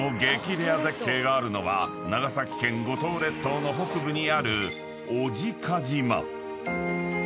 レア絶景があるのは長崎県五島列島の北部にある］